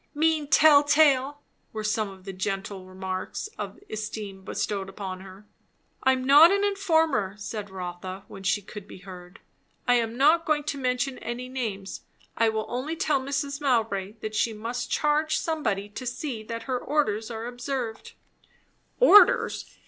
"Mean tell tale!" were some of the gentle marks of esteem bestowed on her. "I am not an informer," said Rotha, when she could be heard; "I am not going to mention any names. I will only tell Mrs. Mowbray that she must charge somebody to see that her orders are observed." "Orders!